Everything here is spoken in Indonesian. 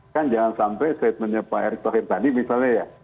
kan jangan sampai statementnya pak erick thohir tadi misalnya ya